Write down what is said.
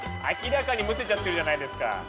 明らかにむせちゃってるじゃないですか。